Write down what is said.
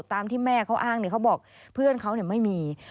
ตามที่แม่เขาอ้างเขาบอกเพื่อนเขาไม่มี